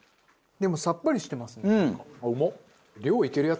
でもさっぱりしてますねなんか。